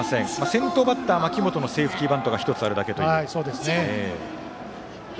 先頭バッター槇本のセーフティーバントが１つあるだけ。